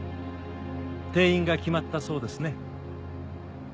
転院が決まったそうですね。